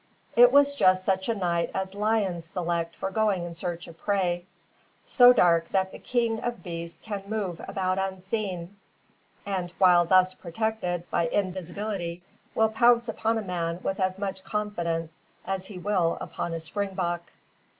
It was just such a night as lions select for going in search of prey, so dark that the king of beasts can move about unseen, and, while thus protected by invisibility, will pounce upon a man with as much confidence as he will upon a springbok.